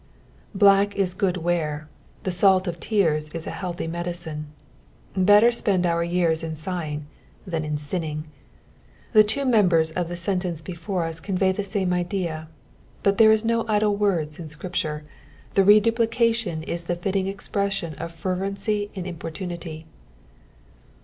Black is good wear. The salt of, tears is a healthy medicine. Better spend our years in sighing than in «inning. The two memlwrs of the sentence before us convey th« same idea ; but there are no idle words in Scripture, the reduplication is the fitting expression of fervency and importunity.